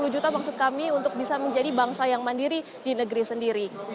dua ratus tujuh puluh juta maksud kami untuk bisa menjadi bangsa yang mandiri di negeri sendiri